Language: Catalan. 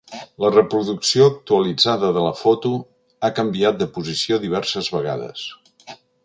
La reproducció actualitzada de la foto ha canviat de posició diverses vegades.